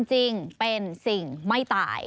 จริงเป็นสิ่งไม่ตาย